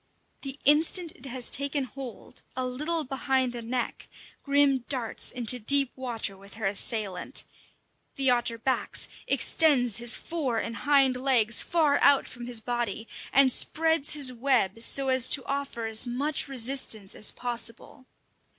The instant it has taken hold a little behind the neck Grim darts into deep water with her assailant. The otter backs, extends his fore and hind legs far out from his body, and spreads his web, so as to offer as much resistance as possible.